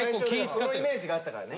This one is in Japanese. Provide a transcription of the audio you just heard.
そのイメージがあったからね。